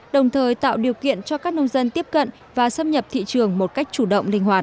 đồng thời tạo điều kiện cho các nông dân tiếp cận và xâm nhập thị trường một cách chủ động linh hoạt